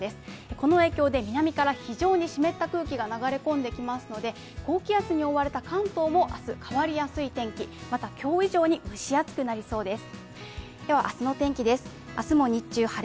この影響で南から非常に湿った空気が流れ込んできますので高気圧に覆われた関東も明日変わりやすい天気、また今日以上に蒸し暑くなりそうです。